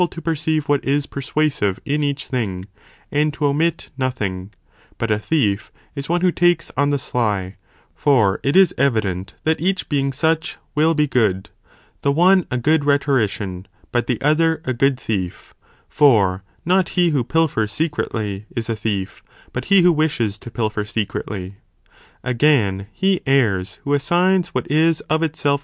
to perceive what is persuasive in each thing, and to omit nothing ; but a thief is one who takes on the sly, for it is evident that each being such, will be good, the one a good rhetorician, but the other a good thief, for not he who pilfers secretly is a thief, but he who wishes to pilfer secretly. Again, (he errs,) who assigns what is of itself